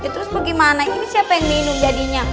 terus gimana ini siapa yang minum jadinya